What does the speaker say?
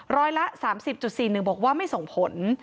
ร้อยละ๓๐๔๑บอกว่าไม่ส่งผล